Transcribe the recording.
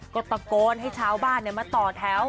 ก็ตะโกนให้ชาวบ้านมาต่อแถว